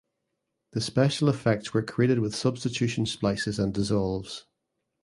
The special effects were created with substitution splices and dissolves.